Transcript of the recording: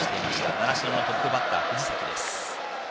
習志野のトップバッター藤崎です。